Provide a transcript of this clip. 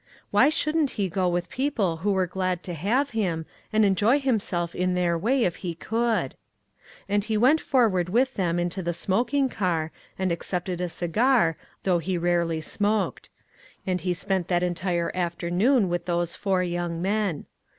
Why shouldn't he go with people who were glad to have him, and enjoy himself in their way if he could? 140 A VICTIM OF CIRCUMSTANCE. 14! And he went forward with them into the smoking car, and accepted a cigar, though he rarely smoked ; and he spent that entire afternoon with those four young men.